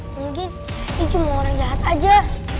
mungkin ini cuma orang jahat aja